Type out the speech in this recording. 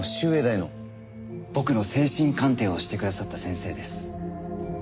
僕の精神鑑定をしてくださった先生です。